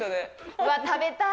うわっ、食べたい。